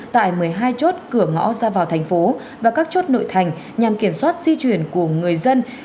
tại một mươi hai chốt cửa ngõ ra vào thành phố và các chốt nội thành nhằm kiểm soát di chuyển của người dân